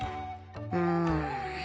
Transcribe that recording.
うん